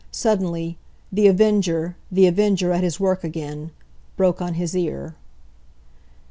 Suddenly "The Avenger! The Avenger at his work again!" broke on his ear.